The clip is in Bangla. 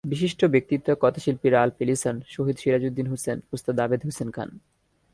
বিশিষ্ট ব্যক্তিত্ব—কথাশিল্পী রালফ ইলিসন, শহীদ সিরাজুদ্দীন হোসেন, ওস্তাদ আবেদ হোসেন খান।